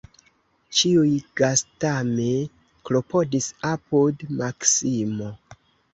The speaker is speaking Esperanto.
Ĉiuj gastame klopodis apud Maksimo.